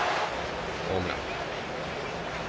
ホームラン。